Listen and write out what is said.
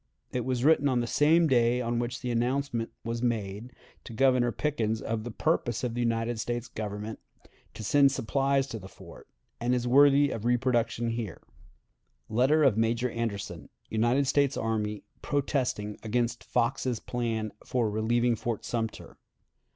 It was written on the same day on which the announcement was made to Governor Pickens of the purpose of the United States Government to send supplies to the fort, and is worthy of reproduction here: [Letter of Major Anderson, United States Army, protesting against Fox's Plan for relieving Fort Sumter.